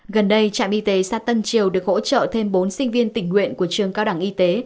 gần đây trạm y tế xã tân triều được hỗ trợ thêm bốn sinh viên tình nguyện của trường cao đẳng y tế